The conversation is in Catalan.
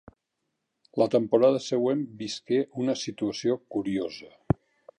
La temporada següent visqué una situació curiosa.